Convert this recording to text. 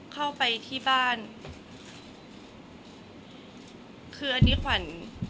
เข้าไปที่บ้านคืออันนี้ขวัญ